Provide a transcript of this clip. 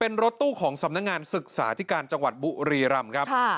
เป็นรถตู้ของสำนักงานศึกษาธิการจังหวัดบุรีรำครับ